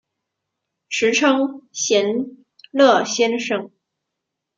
时称闲乐先生。